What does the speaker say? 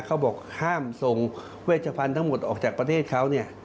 เขาบอกห้ามส่งเวชพันธุ์ทั้งหมดออกจากประเทศเขาเนี่ย